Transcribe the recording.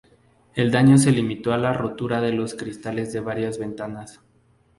El daño se limitó a la rotura de los cristales de varias ventanas.